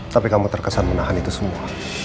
tapi kamu terkesan menahan itu semua